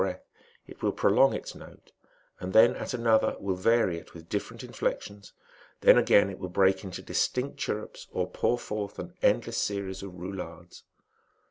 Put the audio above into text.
breath, it will prolong its note, and then at another, will vaiy it with different inflexions; then, again, it will break into distinct chirrups, or pour forth an endless series of roulades.